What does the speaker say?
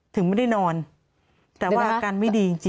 ถึงไม่ได้นอนแต่ว่าอาการไม่ดีจริง